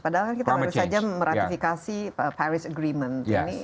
padahal kita harus saja meratifikasi paris agreement